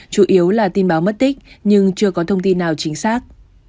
chủ yếu là tin báo mất tích nhưng chưa có thông tin nào chính xác